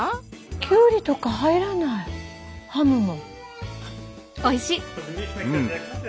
きゅうりとか入らないハムも。